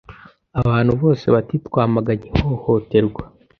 Abantu bose bati twamaganye ihohoterwa